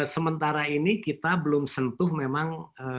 sementara ini kita belum sentuh memang